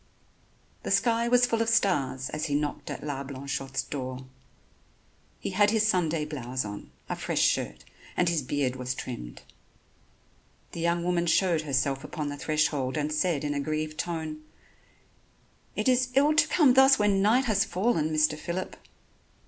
The sky was full of stars as he knocked at La Blanchotte's door. He had his Sunday blouse on, a fresh shirt, and his beard was trimmed. The young woman showed herself upon the threshold and said in a grieved tone: "It is ill to come thus when night has fallen, Mr. Phillip."